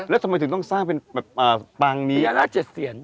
แล้วทำไมถึงต้องสร้างเป็นแบบอ่าปางนี้อันดับเจ็ดเศียร